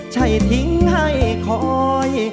ใช่ทิ้งให้คอย